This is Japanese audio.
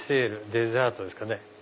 デザートですかね